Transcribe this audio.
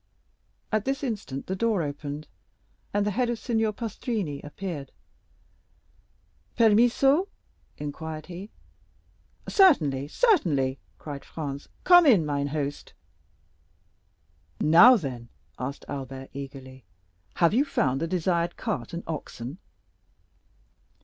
At this instant the door opened, and the head of Signor Pastrini appeared. "Permesso?" inquired he. "Certainly—certainly," cried Franz. "Come in, my host." "Now, then," asked Albert eagerly, "have you found the desired cart and oxen?"